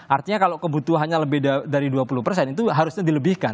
artinya kalau kebutuhannya lebih dari dua puluh persen itu harusnya dilebihkan